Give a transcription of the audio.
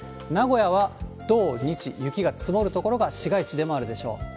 名古屋は土日、雪が積もる所が市街地でもあるでしょう。